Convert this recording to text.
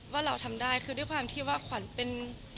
ว่าเราทำได้คือด้วยความที่ว่าขวัญเป็น